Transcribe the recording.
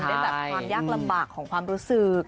ได้แบบความยากลำบากของความรู้สึก